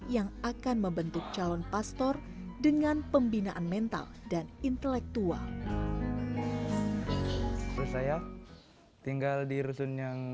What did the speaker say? yang akan membentuk calon pastor dengan pembinaan mental dan intelektual saya tinggal di rusun yang